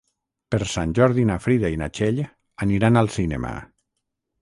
Per Sant Jordi na Frida i na Txell aniran al cinema.